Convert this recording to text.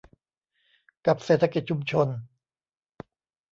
กับเศรษฐกิจชุมชน